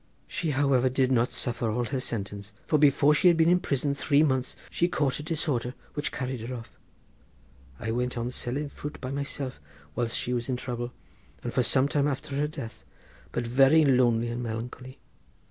She, however, did not suffer all her sentence, for before she had been in prison three months she caught a disorder which carried her off. I went on selling fruit by myself whilst she was in trouble, and for some time after her death, but very lonely and melancholy.